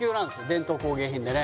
伝統工芸品でね